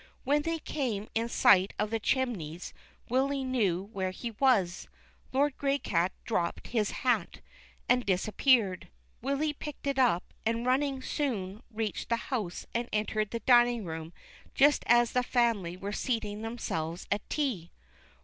When they came in sight of the chimneys Willy knew where he was. Lord Graycat dropped his hat and disappeared. Willy picked it up, and running soon reached the house and entered the dining room just as the family were seating themselves at tea.